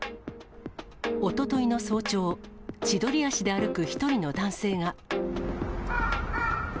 おとといの早朝、千鳥足で歩く１人の男性が。